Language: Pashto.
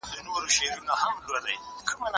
زه اوږده وخت د کتابتوننۍ سره مرسته کوم؟